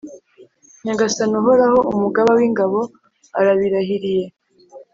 Nyagasani Uhoraho, Umugaba w’ingabo arabirahiriye.